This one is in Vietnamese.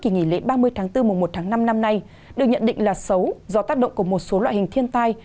kỳ nghỉ lễ ba mươi tháng bốn mùa một tháng năm năm nay được nhận định là xấu do tác động của một số loại hình thiên tai